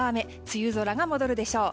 梅雨空が戻るでしょう。